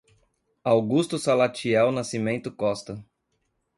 Augusto Salatiel Nascimento Costa